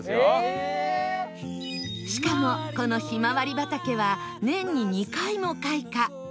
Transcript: しかもこのひまわり畑は年に２回も開花